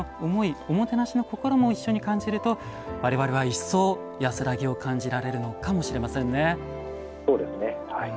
おもてなしの心も一緒に感じると、われわれは一層安らぎを感じられるのかもしれませんね。